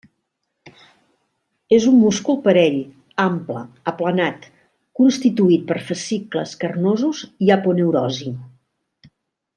És un múscul parell, ample, aplanat, constituït per fascicles carnosos i aponeurosi.